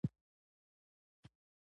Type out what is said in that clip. د خبرو ادب شخصیت ښيي